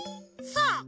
そう！